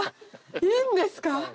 いいんですか？